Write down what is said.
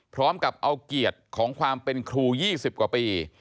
พร้อมกับเอาเกียรติของความเป็นครู๒๐กว่าปี